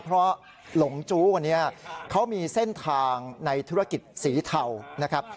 เพราะหลงจู้คนนี้เขามีเส้นทางในธุรกิจสีเทานะครับ